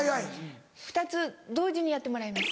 ２つ同時にやってもらいます。